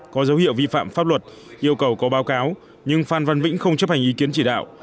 có dấu hiệu vi phạm pháp luật yêu cầu có báo cáo nhưng phan văn vĩnh không chấp hành ý kiến chỉ đạo